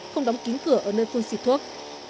không đóng kín cửa ở nơi phun xịt thuốc